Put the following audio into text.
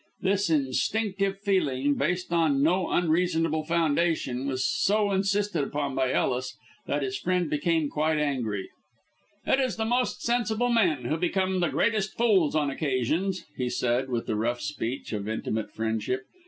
This instinctive feeling, based on no reasonable foundation, was so insisted upon by Ellis that his friend became quite angry. "It is the most sensible men who become the greatest fools on occasions," he said, with the rough speech of intimate friendship.